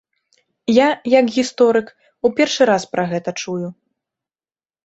Я, як гісторык, у першы раз пра гэта чую.